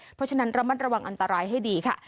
เพราะฉะนั้นระมัดระวังอันตรายให้ดีค่ะ